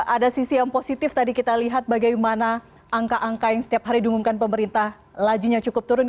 ada sisi yang positif tadi kita lihat bagaimana angka angka yang setiap hari diumumkan pemerintah lajinya cukup turun